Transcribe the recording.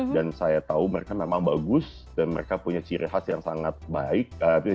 dan saya tahu mereka memang bagus dan mereka punya ciri khas yang sangat baik